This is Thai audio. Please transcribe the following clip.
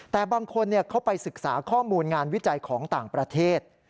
แต่บางคนเขาไปศึกษาข้อมูลงานวิจัยของต่างประเทศ